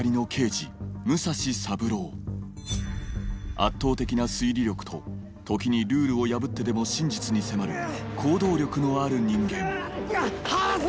圧倒的な推理力と時にルールを破ってでも真実に迫る行動力のある人間離せ！